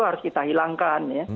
itu harus kita hilangkan